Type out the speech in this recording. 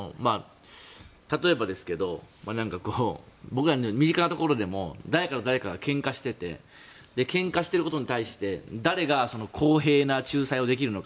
例えばですけど僕らの身近なところで誰かと誰かがけんかしててけんかしていることに対して誰が公平な仲裁をできるのか。